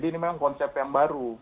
ini konsep yang baru